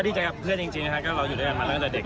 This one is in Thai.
ดีใจกับเพื่อนจริงนะครับก็เราอยู่ด้วยกันมาตั้งแต่เด็ก